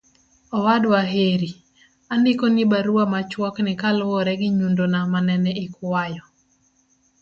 owadwa Kheri, andiko ni barua machuok ni kaluwore gi nyundona manene ikwayo